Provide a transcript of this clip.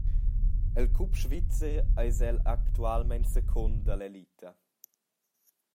El cup svizzer eis el actualmein secund dall’elita.